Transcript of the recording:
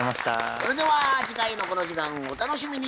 それでは次回のこの時間をお楽しみに。